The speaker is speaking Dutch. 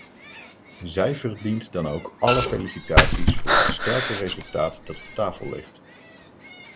Zij verdient dan ook alle felicitaties voor het sterke resultaat dat op tafel ligt.